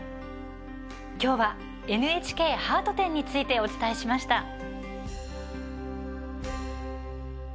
きょうはＮＨＫハート展についてお伝えしました。